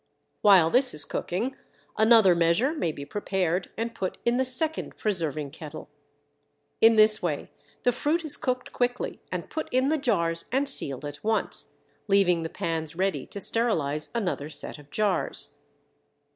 While this is cooking another measure may be prepared and put in the second preserving kettle. In this way the fruit is cooked quickly and put in the jars and sealed at once, leaving the pans ready to sterilize another set of jars.